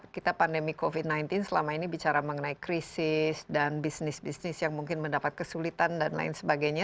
kita pandemi covid sembilan belas selama ini bicara mengenai krisis dan bisnis bisnis yang mungkin mendapat kesulitan dan lain sebagainya